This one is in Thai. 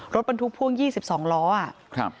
รถบรรทุกพ่วง๒๒ล้ออ่ะ